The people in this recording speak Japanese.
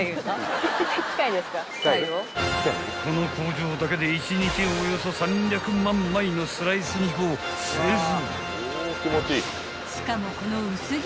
［この工場だけで１日およそ３００万枚のスライス肉を製造］